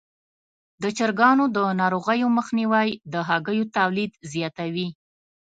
د چرګانو د ناروغیو مخنیوی د هګیو تولید زیاتوي.